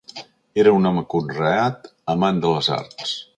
Era un home conreat, amant de les arts.